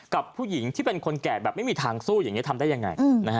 กับผู้หญิงที่เป็นคนแก่แบบไม่มีทางสู้อย่างนี้ทำได้ยังไง